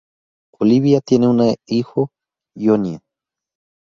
Olivia tiene una hijo Johnnie.